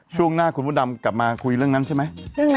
ช่วงหน้าคุณมดดำกลับมาคุยเรื่องนั้นใช่ไหม